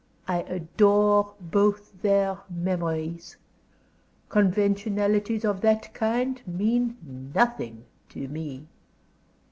I adore both their memories. Conventionalities of that kind mean nothing to me."